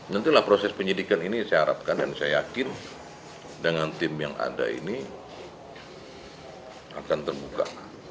nantilah proses penyidikan ini saya harapkan dan saya yakin dengan tim yang ada ini akan terbuka